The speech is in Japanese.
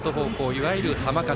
いわゆる浜風。